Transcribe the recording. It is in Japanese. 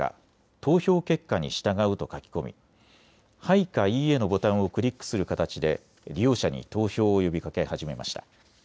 投票結果に従うと書き込み、はいかいいえのボタンをクリックする形で利用者に投票を呼びかけ始めました。